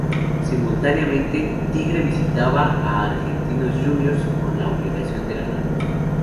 Simultáneamente, Tigre visitaba a Argentinos Juniors, con la obligación de ganar.